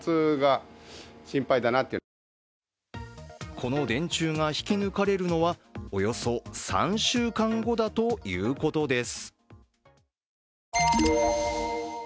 この電柱が引き抜かれるのはおよそ３週間後だということです。